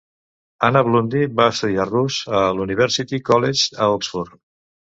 Anna Blundy va estudiar rus a l'University College, a Oxford.